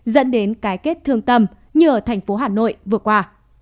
dẫn đến cái kết thương tâm như ở tp hcm vừa qua